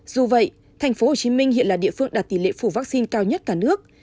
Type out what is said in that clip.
dù vậy thành phố hồ chí minh hiện là địa phương đạt tỷ lệ phủ vaccine cao nhất cả nước